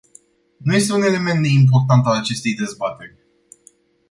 Nu este un element neimportant al acestei dezbateri.